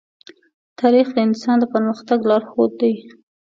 تاریخ د انسان د پرمختګ لارښود دی.